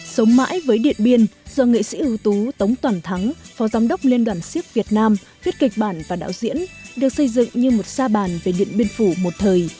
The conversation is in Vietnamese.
sống mãi với điện biên do nghệ sĩ ưu tú tống toàn thắng phó giám đốc liên đoàn siếc việt nam viết kịch bản và đạo diễn được xây dựng như một sa bàn về điện biên phủ một thời